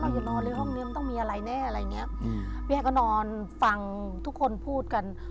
อย่านอนเลยห้องเนี้ยมันต้องมีอะไรแน่อะไรอย่างเงี้ยแม่ก็นอนฟังทุกคนพูดกัน